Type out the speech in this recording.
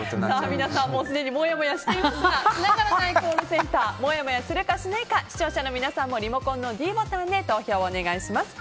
皆さんすでにもやもやしていますがつながらないコールセンターもやもやするかしないか視聴者の皆さんもリモコンのｄボタンで投票をお願いします。